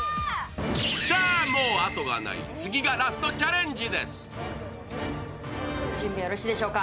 さあ、もうあとがない、次が、ラストチャレンジです。